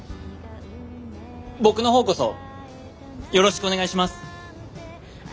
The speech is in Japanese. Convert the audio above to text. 僕の方こそよろしくお願いします。